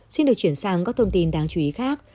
xin được chuyển sang các thông tin đáng chú ý khác